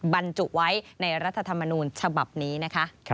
บรรจุไว้ในรัฐธรรมนูญฉบับนี้นะคะ